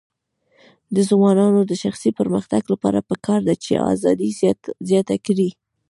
د ځوانانو د شخصي پرمختګ لپاره پکار ده چې ازادي زیاته کړي.